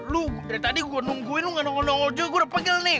lo dari tadi gue nungguin lo gak nongol nongol juga gue udah pegel nih